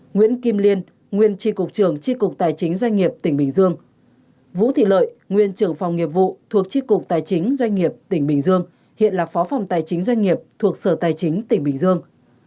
nguyễn kim liên nguyên tri cục trường tri cục tài chính doanh nghiệp tỉnh bình dương vũ thị lợi nguyên trưởng phòng nghiệp vụ thuộc tri cục tài chính doanh nghiệp tỉnh bình dương hiện là phó phòng tài chính doanh nghiệp thuộc sở tài chính tỉnh bình dương